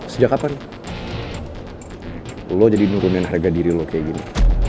sejak kapan lo jadi nurunin harga diri lo kayak gini